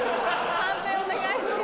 判定お願いします。